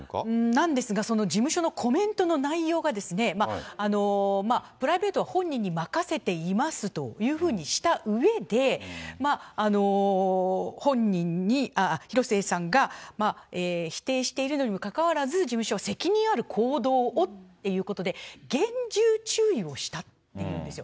なんですが、その事務所のコメントの内容がですね、プライベートは本人に任せていますというふうにしたうえで、本人に、広末さんが否定しているのにもかかわらず、事務所は責任ある行動をっていうことで、厳重注意をしたというんですよ。